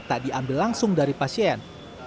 tak diambil langsung dari pasien